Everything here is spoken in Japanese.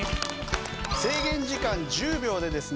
制限時間１０秒でですね